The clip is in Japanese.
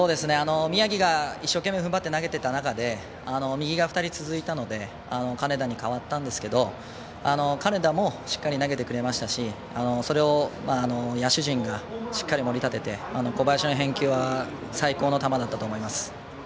宮城が一生懸命踏んばって投げてた中で右が２人続いたので金田に代わったんですけど金田もしっかり投げてくれましたしそれを野手陣がしっかり盛り立てて小林の返球は最高の球だったと思います。